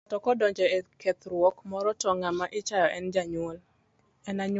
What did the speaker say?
Ng'ato kodonjo e kethruok moro to ng'ama ichayo en anyuola.